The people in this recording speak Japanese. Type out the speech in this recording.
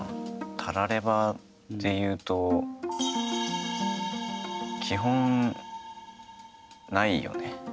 たらればでいうと基本ないよね。